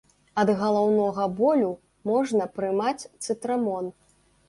Ад галаўнога болю можна прымаць цытрамон.